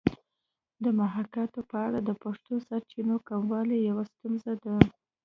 د محاکات په اړه د پښتو سرچینو کموالی یوه ستونزه ده